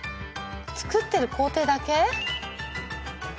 作ってる工程だけ？